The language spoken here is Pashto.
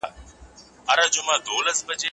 بې تعلیمه اقتصاد کمزوری وي.